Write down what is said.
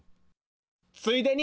ついでに。